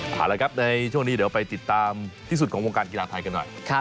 พันธุ์นี้เราไปติดตามที่สุดของวงการกีฬาไทยกันหน่อย